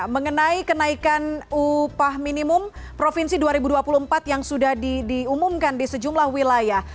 mengenai kenaikan upah minimum provinsi dua ribu dua puluh empat yang sudah diumumkan di sejumlah wilayah